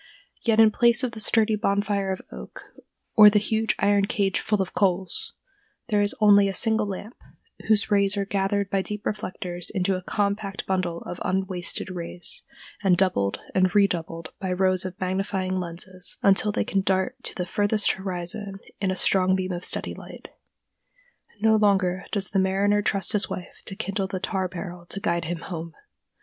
Yet in place of the sturdy bonfire of oak, or the huge iron cage full of coals, there is only a single lamp, whose rays are gathered by deep reflectors into a compact bundle of unwasted rays, and doubled and redoubled by rows of magnifying lenses until they can dart to the furthest horizon in a strong beam of steady light. No longer does the mariner trust to his wife to kindle the tar barrel to guide him home.